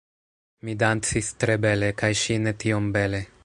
Mi dancis tre bele kaj ŝi ne tiom bele